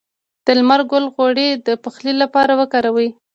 د لمر ګل غوړي د پخلي لپاره وکاروئ